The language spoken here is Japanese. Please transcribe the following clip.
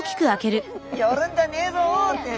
寄るんじゃねえぞって。